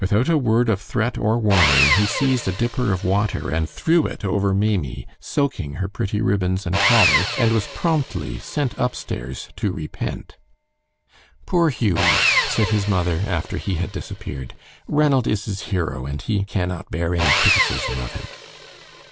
Without a word of threat or warning, he seized a dipper of water and threw it over Maimie, soaking her pretty ribbons and collar, and was promptly sent upstairs to repent. "Poor Hughie!" said his mother, after he had disappeared; "Ranald is his hero, and he cannot bear any criticism of him."